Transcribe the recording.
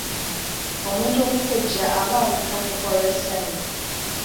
Omuntu okukejja aba abuukabuuka olw’essanyu.